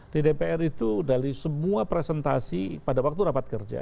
di dpr itu dari semua presentasi pada waktu rapat kerja